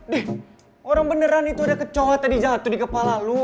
dih orang beneran itu ada kecowok tadi jatuh di kepala lo